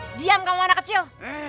diam kamu anak kecil